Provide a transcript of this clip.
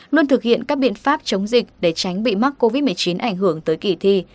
luôn thực hiện các biện pháp chống dịch để tránh bị mắc covid một mươi chín ảnh hưởng tới kỳ thi